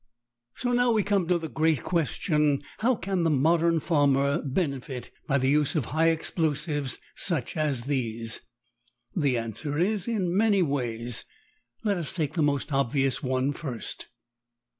So now we come to the great question, how can the modern farmer benefit by the use of high explosives such as these? The answer is, in many ways. Let us take the most obvious one first.